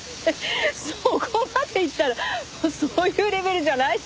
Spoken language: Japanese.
そこまでいったらもうそういうレベルじゃないじゃないですか。